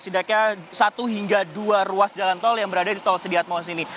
setidaknya satu hingga dua ruas jalan tol yang berada di tol sediat moas ini